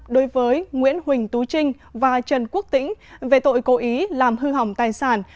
đối với nguyễn huỳnh tú trinh và trần quốc tĩnh về tội cố ý làm hư hỏng tài sản